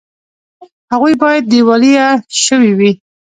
هغوی باید دیوالیه شوي وي